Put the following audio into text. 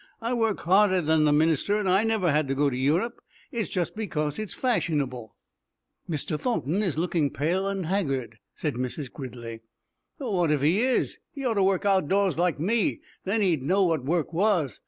"I work harder than the minister, and I never had to go to Europe. It's just because it's fashionable." "Mr. Thornton is looking pale and haggard," said Mrs. Gridley. "What if he is? He ought to work outdoors like me. Then he'd know what work was.